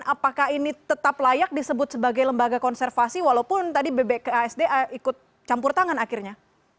apakah ini tetap layak disebut sebagai lembaga konservasi walaupun tadi bbkasda ikut campur tangan akhirnya